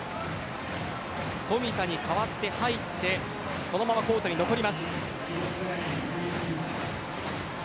富田に代わって入ってそのままコートに残ります。